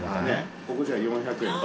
ここじゃ４００円倍。